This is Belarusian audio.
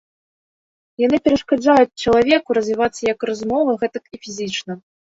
Яны перашкаджаюць чалавеку развівацца як разумова, гэтак і фізічна.